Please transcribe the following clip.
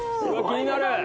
気になる！